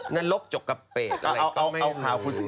นรกจกกับเปดอะไรก็ไม่รู้